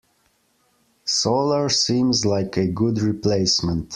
Solar seems like a good replacement.